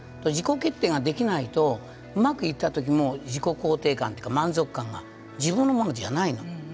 自己決定ができないとうまくいった時も自己肯定感っていうか満足感が自分のものじゃないの。